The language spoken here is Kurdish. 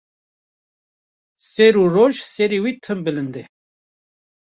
Şev û roj serê wî tim bilinde